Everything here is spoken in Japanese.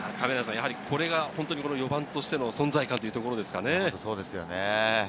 これが４番としての存在感というところですかね。